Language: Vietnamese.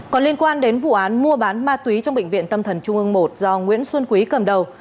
còn liên quan đến vụ án mua bán ma túy trong bệnh viện tâm thần trung ương một do nguyễn xuân quý cầm đầu